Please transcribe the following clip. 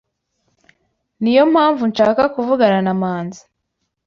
Niyo mpamvu nshaka kuvugana na Manzi.